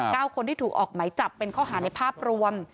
คนที่ถูกออกไหมจับเป็นข้อหาในภาพรวม